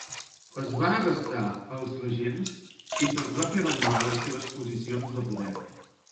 Es va arrestar als regents i se'ls va fer abandonar les seves posicions de poder.